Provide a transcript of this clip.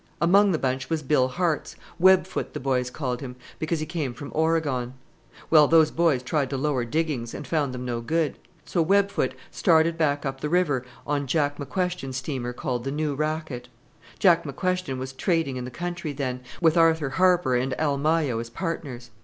Among the bunch was Bill Hartz 'Web foot' the boys called him, because he came from Oregon. Well, those boys tried the lower diggings, and found them no good; so Web foot started back up the river on Jack McQuestion's steamer called the New Racket. Jack McQuestion was trading in the country then, with Arthur Harper and Al Mayo as partners.